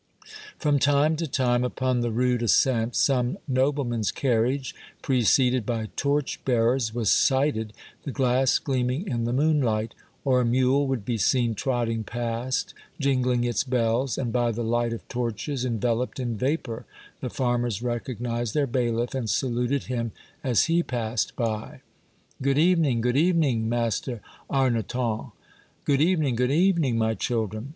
From time to time, upon the rude ascent, some nobleman's carriage, preceded by torch bearers, was sighted, the glass gleaming in the moonlight ; or a mule would be seen trotting past, jingling its bells, and by the light of torches enveloped in vapor, the farmers recognized their bailiff, and saluted him as he passed by. " Good evening, good evening. Master Arnoton." Good evening, good evening, my children."